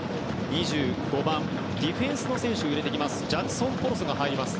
２５番、ディフェンスの選手を入れてきます。